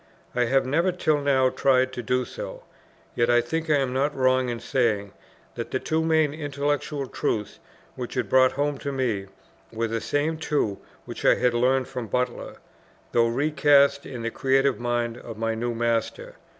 I have never till now tried to do so; yet I think I am not wrong in saying, that the two main intellectual truths which it brought home to me, were the same two, which I had learned from Butler, though recast in the creative mind of my new master.